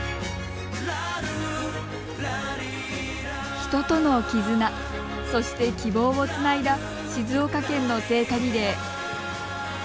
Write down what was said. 人との絆そして、希望をつないだ静岡県の聖火リレー。